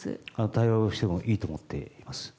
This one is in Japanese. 対話をしてもいいと思っています。